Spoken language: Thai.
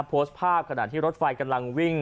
โพสต์ภาพขณะที่รถไฟกำลังวิ่ง